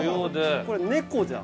◆これ猫じゃん。